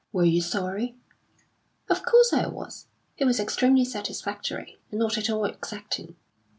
"Were you sorry?" "Of course I was! He was extremely satisfactory and not at all exacting."